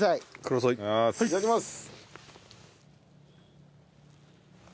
いただきます！